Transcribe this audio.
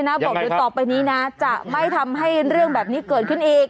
อย่างไรครับบอกตัวต่อไปนี้นะจะไม่ทำให้เรื่องแบบนี้เกิดขึ้นเอง